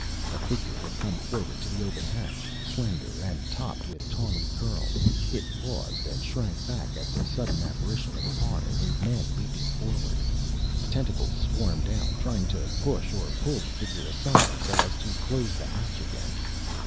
A figure had come forward to the open hatch, slender and topped with tawny curls. It paused and shrank back at the sudden apparition of Parr and his men leaping forward. Tentacles swarmed out, trying to push or pull the figure aside so as to close the hatch again.